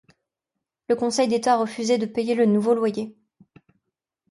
Le Conseil d'État a refusé de payer le nouveau loyer.